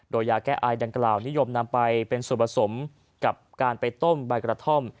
โดยยาแก้อายดังกล่าวนิยมนำไปเป็นส่วนผสมกับการไปต้มใบกระท่อม